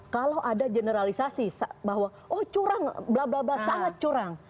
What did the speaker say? kalau ada generalisasi bahwa oh curang blablabla sangat curang